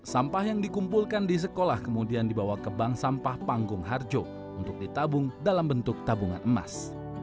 sampah yang dikumpulkan di sekolah kemudian dibawa ke bank sampah panggung harjo untuk ditabung dalam bentuk tabungan emas